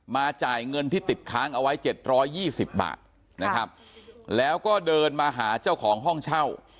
จ่ายเงินที่ติดค้างเอาไว้๗๒๐บาทนะครับแล้วก็เดินมาหาเจ้าของห้องเช่า